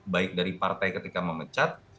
baik dari partai ketika memecat